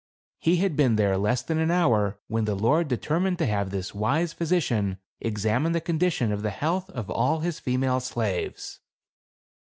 He had been there less than an hour, when the lord determined to have this wise physician examine the condition of the health of all his female slaves.